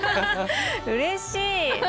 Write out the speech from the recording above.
うれしい！